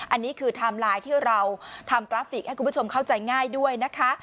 อันนี้คือไทม์ไลน์ที่เราทำกราฟิกให้คุณผู้ชมเข้าใจง่ายด้วยนะคะ